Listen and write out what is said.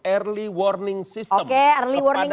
early warning system kepada para menterinya